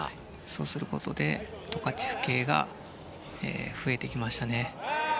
そうすることでトカチェフ系が増えてきました。